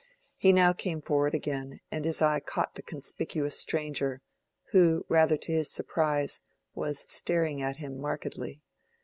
He now came forward again, and his eye caught the conspicuous stranger, who, rather to his surprise, was staring at him markedly.